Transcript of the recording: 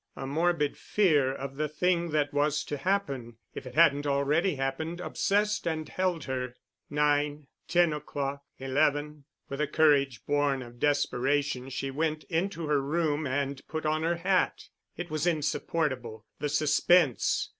A morbid fear of the thing that was to happen, if it hadn't already happened, obsessed and held her. Nine—ten o'clock—eleven.... With a courage born of desperation she went into her room and put on her hat. It was insupportable, the suspense.